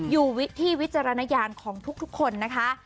อยู่ที่วิจารณญาณของทุกคนนะคะ